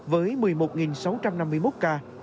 với một mươi một sáu trăm năm mươi một ca